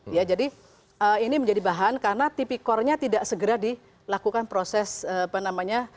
ya jadi ini menjadi bahan karena tipikornya tidak segera dilakukan proses apa namanya